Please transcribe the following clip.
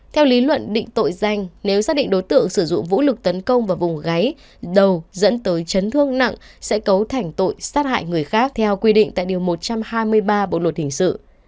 theo lý luận định tội danh nếu xác định đối tượng sử dụng vũ lực tấn công vào vùng gáy đầu dẫn tới chấn thương nặng sẽ cấu thành tội sát hại người khác theo quy định tại điều một trăm hai mươi ba bộ luật hình sự